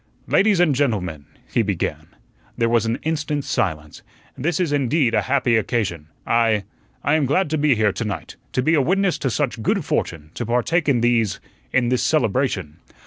"Ladies and gentlemen," he began. There was an instant silence. "This is indeed a happy occasion. I I am glad to be here to night; to be a witness to such good fortune; to partake in these in this celebration.